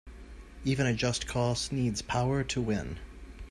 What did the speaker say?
Even a just cause needs power to win.